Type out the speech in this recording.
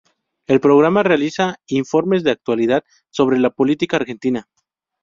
El programa realiza informes de actualidad sobre la política argentina.